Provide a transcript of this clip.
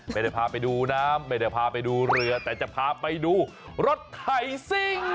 ไม่ได้พาไปดูน้ำไม่ได้พาไปดูเรือแต่จะพาไปดูรถไถซิ่ง